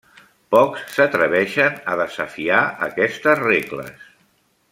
Pocs s'atreveixen a desafiar aquestes regles.